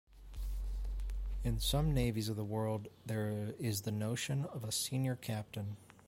In some navies of the world, there is the notion of a senior captain.